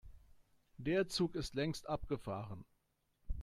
Der Zug ist längst abgefahren.